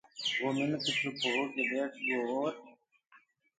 وو مِنک چُپ هوڪي ٻيٺگو اورَ